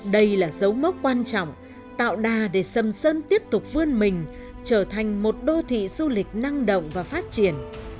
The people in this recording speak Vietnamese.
đây là dấu mốc quan trọng tạo đà để sầm sơn tiếp tục vươn mình trở thành một đô thị du lịch năng động và phát triển